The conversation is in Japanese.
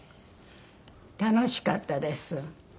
楽しかったです。